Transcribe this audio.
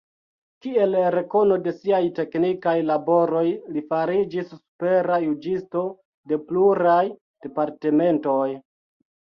Kiel rekono de siaj teknikaj laboroj li fariĝis supera juĝisto de pluraj departementoj.